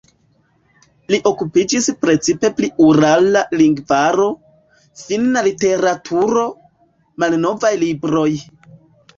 Li okupiĝis precipe pri urala lingvaro, finna literaturo, malnovaj libroj.